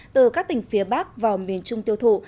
từ các tỉnh phía bắc vào miền trung tiêu thụ